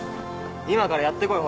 今からやってこいほら